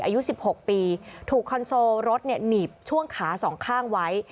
อายุสิบหกปีถูกคอนโซลรถเนี่ยหนีบช่วงขาสองข้างไว้